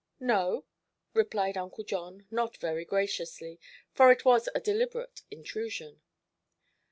"No," replied Uncle John, not very graciously, for it was a deliberate intrusion.